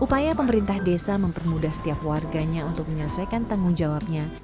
upaya pemerintah desa mempermudah setiap warganya untuk menyelesaikan tanggung jawabnya